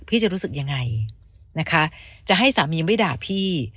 พี่จะรู้สึกยังไงจะให้สามีไม่ด่าพี่